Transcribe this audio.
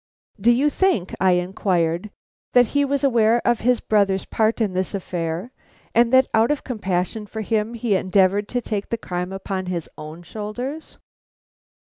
"Do you think," I inquired, "that he was aware of his brother's part in this affair, and that out of compassion for him he endeavored to take the crime upon his own shoulders?"